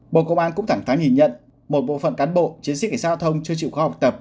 bộ công an cũng thẳng thắn nhìn nhận một bộ phận cán bộ chiến sĩ cảnh sát giao thông chưa chịu khóa học tập